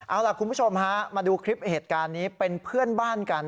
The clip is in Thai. เอาล่ะคุณผู้ชมฮะมาดูคลิปเหตุการณ์นี้เป็นเพื่อนบ้านกัน